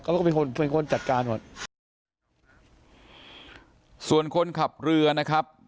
เขาก็เป็นคนเป็นคนจัดการหมดส่วนคนขับเรือนะครับ